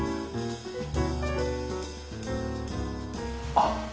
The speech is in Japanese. あっ！